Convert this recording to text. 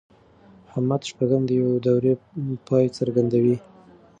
محمد شپږم د يوې دورې پای څرګندوي.